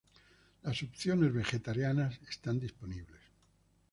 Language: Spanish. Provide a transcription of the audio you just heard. Las opciones vegetarianas están disponibles.